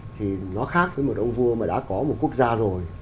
thì nó khác với một ông vua mà đã có một quốc gia rồi